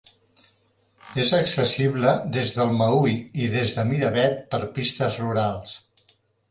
És accessible des del Meüll i des de Miravet per pistes rurals.